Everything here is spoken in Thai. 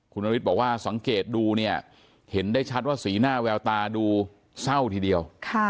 คุณนฤทธิ์บอกว่าสังเกตดูเนี่ยเห็นได้ชัดว่าสีหน้าแววตาดูเศร้าทีเดียว